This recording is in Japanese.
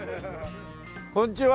こんにちは！